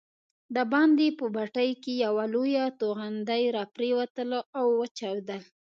دباندې په بټۍ کې یوه لویه توغندۍ راپرېوتله او وچاودل.